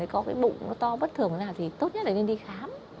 có cái bụng nó to bất thường như thế nào thì tốt nhất là nên đi khám